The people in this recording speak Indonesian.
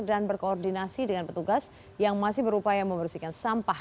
dan berkoordinasi dengan petugas yang masih berupaya membersihkan sampah